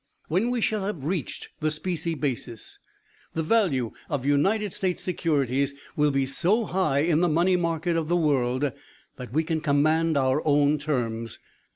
When we shall have reached the specie basis, the value of United States securities will be so high in the money market of the world, that we can command our own terms.